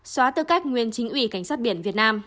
xóa tư cách nguyên chính ủy cảnh sát biển việt nam